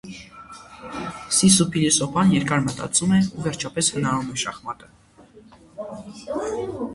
Սիսսու փիլիսոփան երկար մտածում է ու վերջապես հնարում է շախմատը։